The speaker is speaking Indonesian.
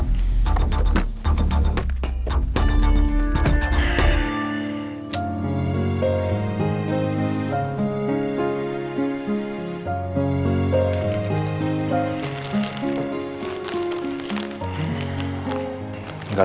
tunggu aku mau ngajakin